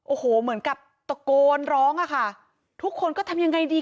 โอ้โหเหมือนกับตะโกนร้องอะค่ะทุกคนก็ทำยังไงดี